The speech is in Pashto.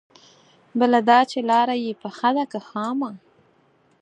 بله دا چې لاره يې پخه ده که خامه؟